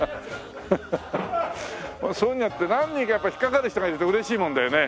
そういうのやって何人かやっぱ引っかかる人がいると嬉しいもんだよね。